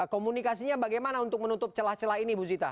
komunikasinya bagaimana untuk menutup celah celah ini bu zita